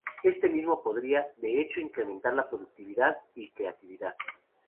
Este mismo podría, de hecho, incrementar la productividad y creatividad.